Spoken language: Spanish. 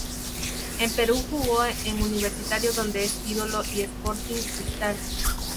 En Perú jugó en Universitario donde es ídolo y en Sporting Cristal.